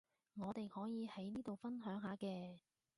我哋可以喺呢度分享下嘅